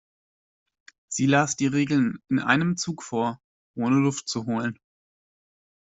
Sie las die Regeln in einem Zug vor, ohne Luft zu holen.